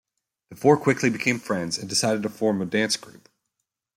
The four quickly became friends and decided to form a dance group.